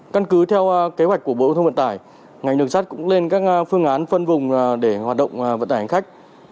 căn cứ theo kế hoạch của bộ công thông vận tài ngành đường sắt cũng lên các phương án phân vùng để hoạt động vận tài hành khách